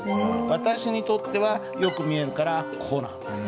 私にとってはよく見えるから「こ」なんです。